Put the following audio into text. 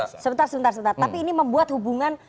tapi ini membuat hubungan